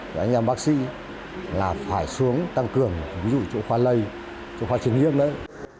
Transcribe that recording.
anh em bác sĩ là phải xuống tăng cường ví dụ chỗ khoa lây chỗ khoa chứng nhiễm đấy